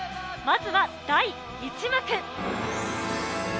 まずは第１幕。